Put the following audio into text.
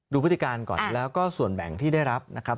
พฤติการก่อนแล้วก็ส่วนแบ่งที่ได้รับนะครับ